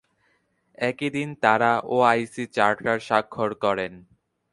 একই দিন তাঁরা ওআইসি চার্টার স্বাক্ষর করেন।